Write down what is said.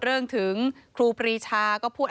เรื่องถึงครูปรีชาก็พูด